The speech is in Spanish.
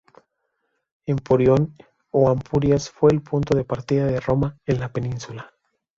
Emporion o Ampurias fue el punto de partida de Roma en la península.